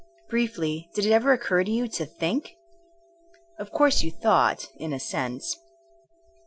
Briefly, did it ever occur to you to think? Of course you thought*' — ^in a sense.